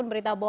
terima kasih om